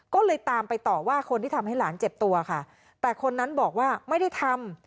ก็เลยตามไปต่อว่าคนที่ทำให้หลานเจ็บตัวค่ะแต่คนนั้นบอกว่าไม่ได้ทำ